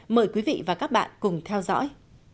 mời quý vị và các bạn cùng theo dõi